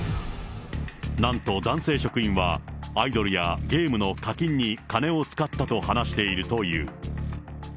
なんと、男性職員はアイドルやゲームの課金に金を使ったと話しているという。